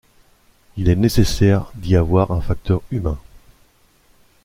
Il est nécessaire d'y avoir un facteur humain.